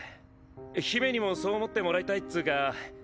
姫にもそう思ってもらいたいっつうか。